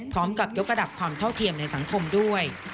พร้อมกับยกระดับความเท่าเทียมในสังคมด้วย